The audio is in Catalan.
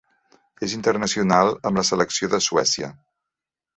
És internacional amb la selecció de Suècia.